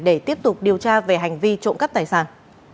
để tiếp tục điều tra về hành vi trộm cắp tài sản